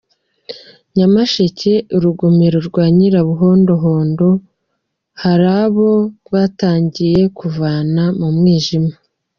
Nyamasheke Urugomero rwa Nyirabuhombohombo hari abo rwatangiye kuvana mu mwijima